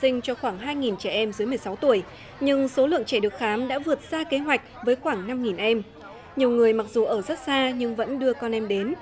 nhiều người mặc dù ở rất xa nhưng vẫn đưa con em đến